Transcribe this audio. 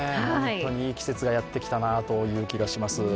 いい季節がやってきたなという気がします。